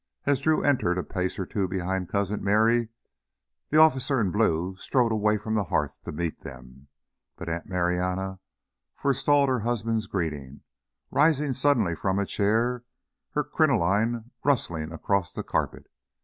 As Drew entered a pace or two behind Cousin Merry, the officer in blue strode away from the hearth to meet them. But Aunt Marianna forestalled her husband's greeting, rising suddenly from a chair, her crinoline rustling across the carpet.